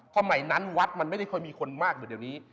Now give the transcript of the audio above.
เพราะใหม่นั้นวัดมันไม่ได้ค่อยมีคนมากเหมือนเดี๋ยวนี้